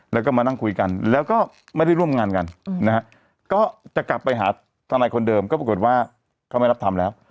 แล้วก็มานั่งคุยกันแล้วก็ไม่ได้ร่วมงานกันนะฮะก็จะกลับไปหาทนายคนเดิมก็ปรากฏว่าเขาไม่รับทำแล้ว